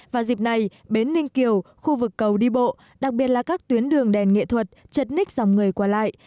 vào dịp này bến ninh kiều khu vực cầu đi bộ đặc biệt là các tuyến đường đèn nghệ thuật chật ních dòng người qua lại